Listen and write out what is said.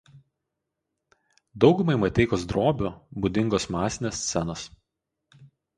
Daugumai Mateikos drobių būdingos masinės scenos.